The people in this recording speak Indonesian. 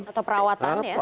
atau perawatan ya